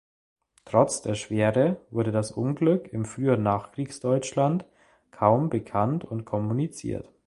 Trotz der Schwere wurde das Unglück im frühen Nachkriegsdeutschland kaum bekannt und kommuniziert.